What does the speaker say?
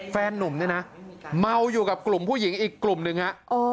นุ่มเนี่ยนะเมาอยู่กับกลุ่มผู้หญิงอีกกลุ่มหนึ่งฮะ